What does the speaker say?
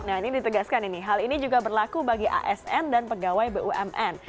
nah ini ditegaskan ini hal ini juga berlaku bagi asn dan pegawai bumn